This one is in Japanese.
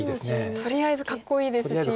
とりあえずかっこいいですし。